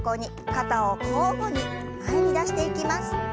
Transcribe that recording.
肩を交互に前に出していきます。